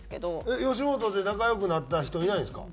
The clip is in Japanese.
えっ吉本で仲良くなった人いないんですか？